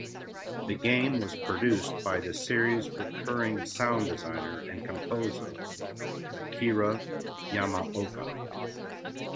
The game was produced by the series' recurring sound designer and composer Akira Yamaoka.